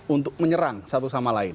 untuk menyerang satu sama lain